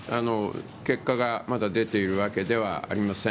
結果がまだ出ているわけではありません。